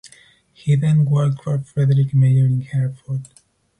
He then worked for Friedrich Meyer in Herford.